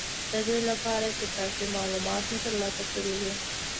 د دې لپاره چې کافي مالومات مو ترلاسه کړي وي